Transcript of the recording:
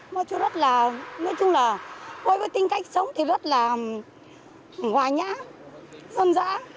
mà chú rất là nói chung là với tính cách sống thì rất là ngoài nhã dân dã